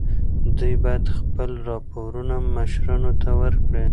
دوی باید خپل راپورونه مشرانو ته ورکړي.